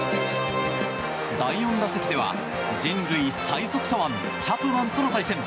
第４打席では人類最速左腕チャプマンとの対戦。